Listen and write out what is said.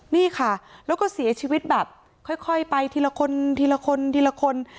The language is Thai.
นี่ค่ะแล้วก็เสียชีวิตแบบค่อยไปทีละคนทีละคนทีละคน